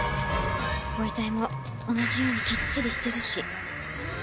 ご遺体も同じようにきっちりしてるし。